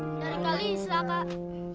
dari kalisa kak